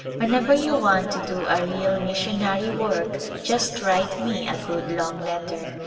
Whenever you want to do a real missionary work just write me a good long letter.